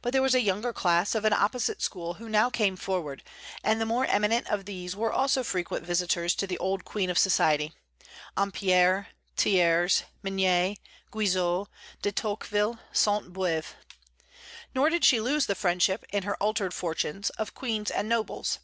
But there was a younger class of an opposite school who now came forward, and the more eminent of these were also frequent visitors to the old queen of society, Ampère, Thiers, Mignet, Guizot, De Tocqueville, Sainte Beuve. Nor did she lose the friendship, in her altered fortunes, of queens and nobles.